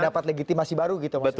dapat legitimasi baru gitu maksudnya